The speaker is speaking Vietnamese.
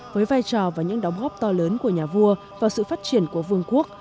với vai trò và những đóng góp to lớn của nhà vua vào sự phát triển của vương quốc